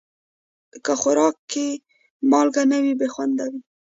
که خوراک کې مالګه نه وي، بې خوند وي.